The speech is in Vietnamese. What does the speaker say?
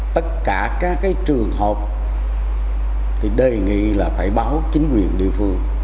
tất cả các cái trường hợp